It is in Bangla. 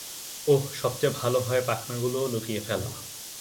ওহ, সবচেয়ে ভালো হয় পাখনাগুলোও লুকিয়ে ফেলা।